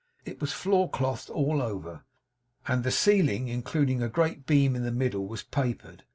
It was floor clothed all over; and the ceiling, including a great beam in the middle, was papered.